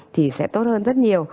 thì sẽ tốt hơn rất nhiều